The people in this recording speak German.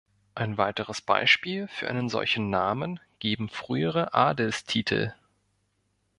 Ein weiteres Beispiel für einen solchen Namen geben frühere Adelstitel.